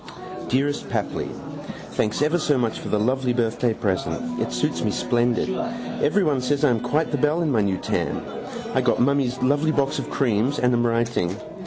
Dearest Papli Thanks ever so much for the lovely birthday present. It suits me splendid. Everyone says I am quite the belle in my new tam. I got mummy's lovely box of creams and am writing.